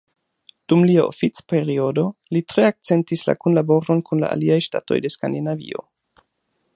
Dum lia oficperiodo li tre akcentis la kunlaboron kun la aliaj ŝtatoj de Skandinavio.